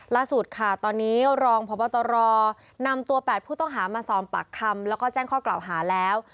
ล่าสุดค่ะตอนนี้รองพบตรนำตัว๘ผู้ต้องหามาสอบปากคำแล้วก็แจ้งข้อกล่าวหาแล้ว